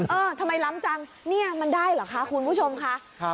เออทำไมล้ำจังเนี่ยมันได้เหรอคะคุณผู้ชมค่ะ